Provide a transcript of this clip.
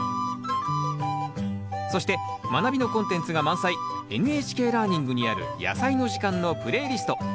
そして「まなび」のコンテンツが満載「ＮＨＫラーニング」にある「やさいの時間」のプレイリスト。